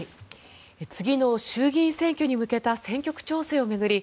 次の衆議院選挙に向けた選挙区調整を巡り